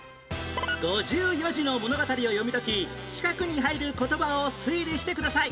５４字の物語を読み解き四角に入る言葉を推理してください